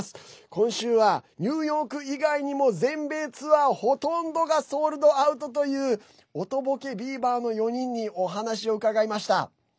今週はニューヨーク以外にも全米ツアーほとんどがソールドアウトというおとぼけビバの４人にお話を伺いました。